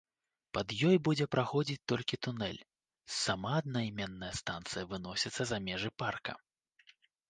Пад ёй будзе праходзіць толькі тунэль, сама аднайменная станцыя выносіцца за межы парка.